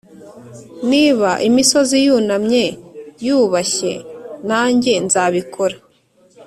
niba imisozi yunamye yubashye, nanjye nzabikora